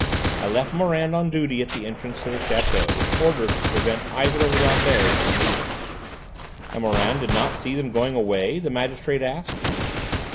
I left Morand on duty at the entrance to the château, with orders to prevent either of the Ramberts from leaving." "And Morand did not see them going away?" the magistrate asked.